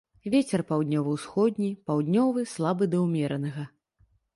Вецер паўднёва-ўсходні, паўднёвы слабы да ўмеранага.